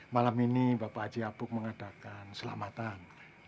malam ini bapak haji apuk mengadakan selamatan